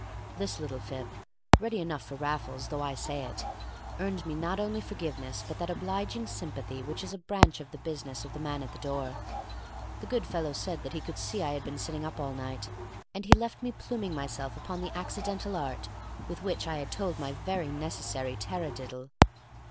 This little fib (ready enough for Raffles, though I say it) earned me not only forgiveness but that obliging sympathy which is a branch of the business of the man at the door. The good fellow said that he could see I had been sitting up all night, and he left me pluming myself upon the accidental art with which I had told my very necessary tarra diddle.